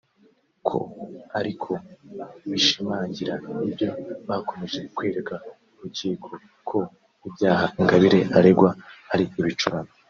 ko ariko bishimangira ibyo bakomeje kwereka urukiko ko ibyaha Ingabire aregwa ari ibicurano